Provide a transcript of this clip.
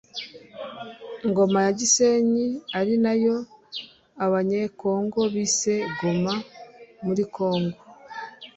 Ngoma ya Gisenyi ari nayo Abanyekongo bise Goma (muri Kongo)